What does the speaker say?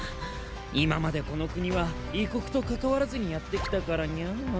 いままでこのくにはいこくとかかわらずにやってきたからニャ。